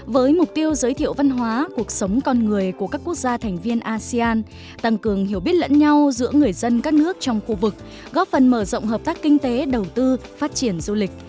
với mục tiêu giới thiệu văn hóa cuộc sống con người của các quốc gia thành viên asean tăng cường hiểu biết lẫn nhau giữa người dân các nước trong khu vực góp phần mở rộng hợp tác kinh tế đầu tư phát triển du lịch